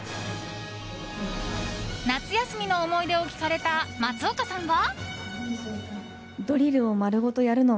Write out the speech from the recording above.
夏休みの思い出を聞かれた松岡さんは。